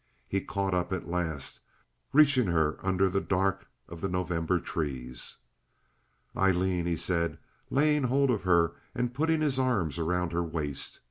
He caught up at last, reaching her under the dark of the November trees. "Aileen," he said, laying hold of her and putting his arms around her waist.